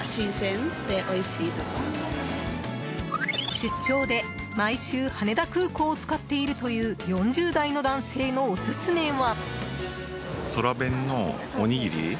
出張で毎週羽田空港を使っているという４０代の男性のオススメは。